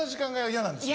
嫌なんです。